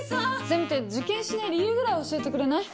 せめて受験しない理由ぐらい教えてくれない？